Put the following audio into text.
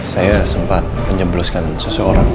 saya sempat menjembloskan seseorang